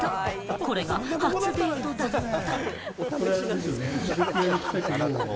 これが初デートだった。